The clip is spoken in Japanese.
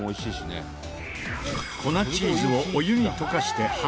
粉チーズをお湯に溶かして羽根作り。